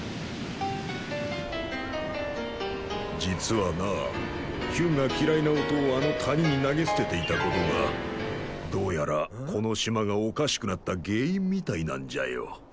実はなあヒュンが嫌いな音をあの谷に投げ捨てていた事がどうやらこの島がおかしくなった原因みたいなんじゃよ。